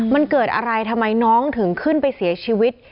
มันเกิดอะไรทำไมน้องถึงขึ้นไปเสียชีวิต